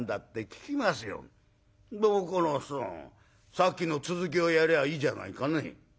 さっきの続きをやりゃいいじゃないかね」。